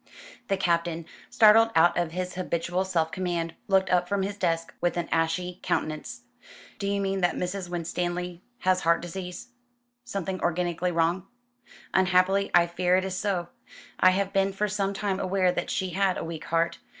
The Captain, startled out of his habitual self command, looked up from his desk with an ashy countenance. "Do you mean that Mrs. Winstanley has heart disease something organically wrong?" "Unhappily I fear it is so. I have been for some time aware that she had a weak heart.